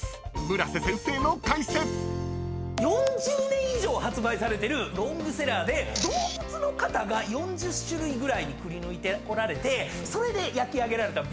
４０年以上発売されてるロングセラーで動物の型が４０種類ぐらいにくりぬいておられてそれで焼き上げられたビスケットなんですけど。